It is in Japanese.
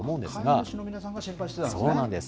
飼い主の皆さんが心配してたんですか？